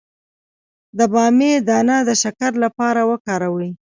د بامیې دانه د شکر لپاره وکاروئ